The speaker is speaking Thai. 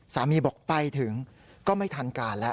สามีบอกไปถึงก็ไม่ทันการแล้ว